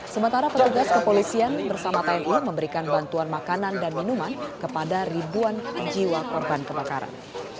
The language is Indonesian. sementara petugas kepolisian bersama tni memberikan bantuan makanan dan minuman kepada ribuan jiwa korban kebakaran